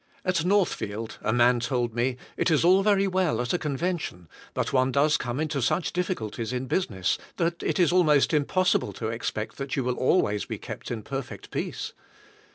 At Northfield a man told me, "It is all very well at a convention, but one does come into such difficulties in business that it is al most impossible to expect that you will always be kept in perfect peace."